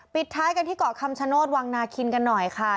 ปิดท้ายกันที่เกาะคำชโนธวังนาคินกันหน่อยค่ะ